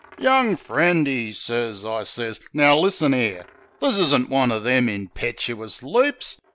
"Young friend," 'e sez — I sez, "Now, listen 'ere: This isn't one o' them impetchus leaps.